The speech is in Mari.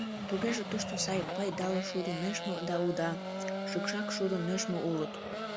Тугеже тушто сай, пайдале шудо нӧшмӧ да уда, шӱкшак шудо нӧшмӧ улыт.